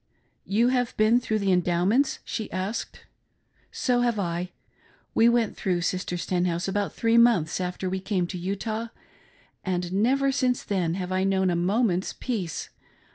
"You have been through the Endowments.'" she as/ked. "So have I. We went through. Sister Stenhouse, about three months after we came to Utah, and never since then have I known a moment's peace.